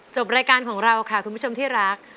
จบรายการของเราค่ะคุณผู้ชมที่รัก